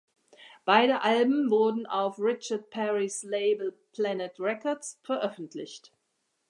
Beide Alben wurden auf Richard Perrys Label Planet Records veröffentlicht.